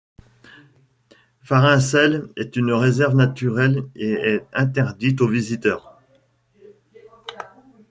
Fährinsel est une réserve naturelle et est interdite aux visiteurs.